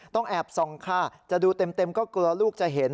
ต้องแอบส่องค่ะจะดูเต็มก็กลัวลูกจะเห็น